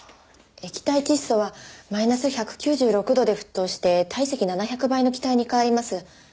液体窒素はマイナス１９６度で沸騰して体積７００倍の気体に変わります。